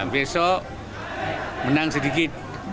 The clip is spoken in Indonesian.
besok menang sedikit